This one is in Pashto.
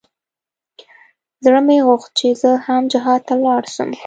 زړه مې غوښت چې زه هم جهاد ته ولاړ سم.